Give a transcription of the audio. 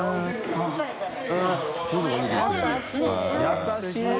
優しい！